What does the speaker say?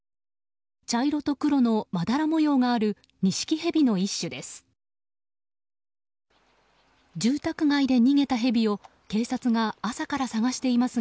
茶色と黒のまだら模様があるニシキヘビの一種です。